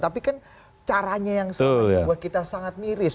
tapi kan caranya yang sangat miris